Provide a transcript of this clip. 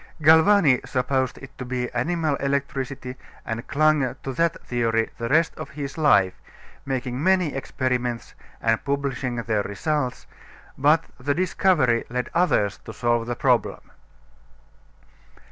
Galvani supposed it to be animal electricity and clung to that theory the rest of his life, making many experiments and publishing their results; but the discovery led others to solve the problem.